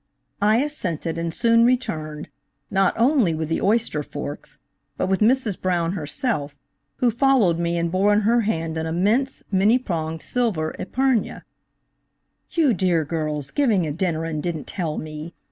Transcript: I assented and soon returned, not only with the oyster forks, but with Mrs. Brown herself, who followed me and bore in her hand an immense, many pronged silver épergne. "You dear girls, giving a dinner and didn't tell me?